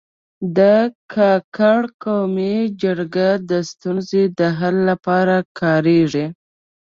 د کاکړ قومي جرګه د ستونزو د حل لپاره کارېږي.